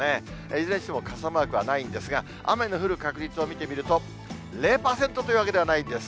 いずれにしても傘マークはないんですが、雨の降る確率を見てみると、０％というわけではないんです。